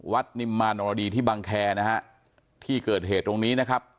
นิมมานรดีที่บังแคร์นะฮะที่เกิดเหตุตรงนี้นะครับ